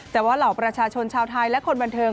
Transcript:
แต่ว่าเหล่าประชาชนชาวไทยและคนบันเทิง